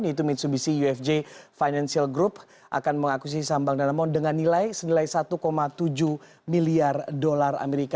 yaitu mitsubishi ufj financial group akan mengakuisisi saham bank danamon dengan nilai senilai satu tujuh miliar dolar amerika